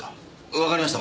わかりました。